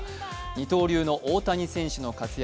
二刀流の大谷選手の活躍